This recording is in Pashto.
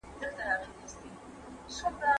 نیک نیت برکت راوړي.